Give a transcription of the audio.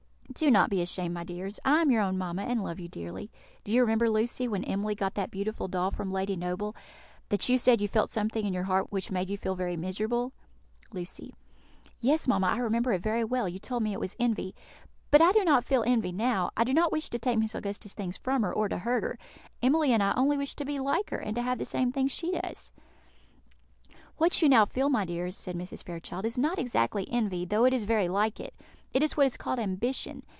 Do not be ashamed, my dears; I am your own mamma, and love you dearly. Do you remember, Lucy, when Emily got that beautiful doll from Lady Noble, that you said you felt something in your heart which made you very miserable?" Lucy. "Yes, mamma, I remember it very well; you told me it was envy. But I do not feel envy now; I do not wish to take Miss Augusta's things from her, or to hurt her; Emily and I only wish to be like her, and to have the same things she has." "What you now feel, my dears," said Mrs. Fairchild, "is not exactly envy, though it is very like it; it is what is called ambition.